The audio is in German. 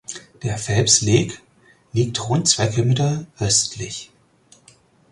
Der Phelps Lake liegt rund zwei Kilometer östlich.